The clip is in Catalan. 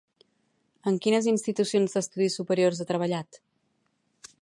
En quines institucions d'estudis superiors ha treballat?